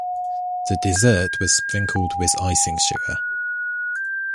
The dessert was sprinkled with icing sugar.